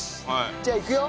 じゃあいくよ。